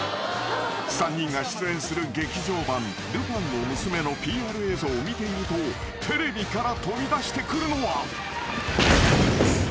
［３人が出演する『劇場版ルパンの娘』のＰＲ映像を見ているとテレビから飛び出してくるのは］